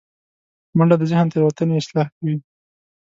منډه د ذهن تیروتنې اصلاح کوي